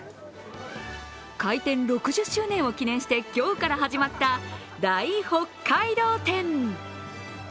開店６０周年を記念して今日から始まった大北海道展。